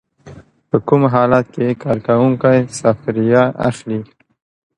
په کوم حالت کې کارکوونکی سفریه اخلي؟